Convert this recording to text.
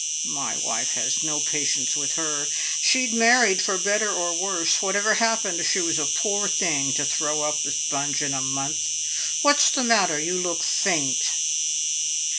My wife has no patience with her. She'd married for better or worse. Whatever happened, she was a poor thing to throw up the sponge in a month. What's the matter? You look faint."